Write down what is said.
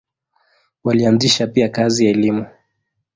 Walianzisha pia kazi ya elimu.